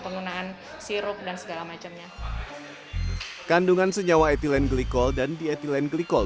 penggunaan sirup dan segala macamnya kandungan senyawa ethylene glikol dan di ethylene glikol